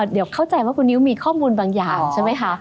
เดี๋ยวเข้าใจว่าคุณนิ้วมีข้อมูลบางอย่างใช่ไหมคะ